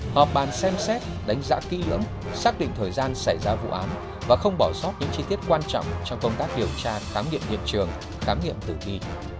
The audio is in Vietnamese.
họp bàn xem xét đánh giá kỹ lưỡng xác định thời gian xảy ra vụ án và không bỏ sót những chi tiết quan trọng trong công tác điều tra khám nghiệm hiện trường khám nghiệm tử thi